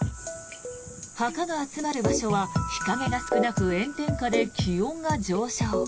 墓が集まる場所は日陰が少なく炎天下で気温が上昇。